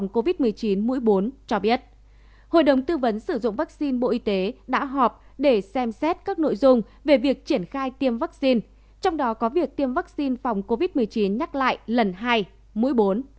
các bạn có thể xem xét các nội dung về việc triển khai tiêm vaccine trong đó có việc tiêm vaccine phòng covid một mươi chín nhắc lại lần hai mũi bốn